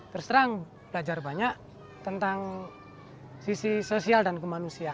terus terang belajar banyak tentang sisi sosial dan kemanusiaan